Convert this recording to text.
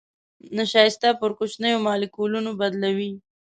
نشایسته پر کوچنيو مالیکولونو بدلوي.